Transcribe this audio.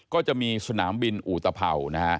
ก็จะมีสนามบินอุตเผ่า